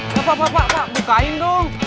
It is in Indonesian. ya papa pak bukain dong